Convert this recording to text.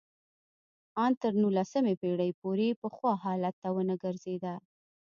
ان تر نولسمې پېړۍ پورې پخوا حالت ته ونه ګرځېده